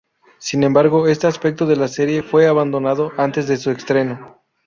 Sin embargo, este aspecto de la serie fue abandonado antes de su estreno.